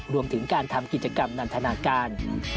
รวมถึงการทำกิจกรรมนันทนาการ